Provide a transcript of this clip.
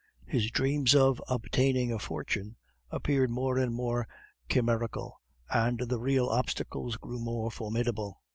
His dreams of obtaining a fortune appeared more and more chimerical, and the real obstacles grew more formidable.